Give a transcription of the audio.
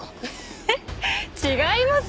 えっ違いますよ。